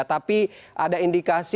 tapi ada indikasi